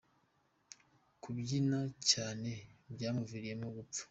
Kubyina cyane byamuviriyemo gupfa